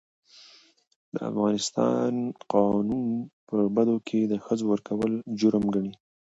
د افغانستان قانون په بدو کي د ښځو ورکول جرم ګڼي.